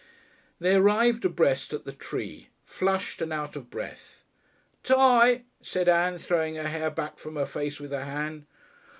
They arrived abreast at the tree, flushed and out of breath. "Tie!" said Ann, throwing her hair back from her face with her hand.